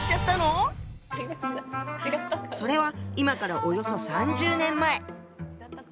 それは今からおよそ３０年前。